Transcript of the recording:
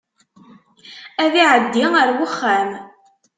Ad iɛeddi ar wexxam.